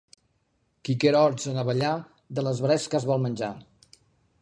Qui quer horts en abellar, de les bresques vol menjar.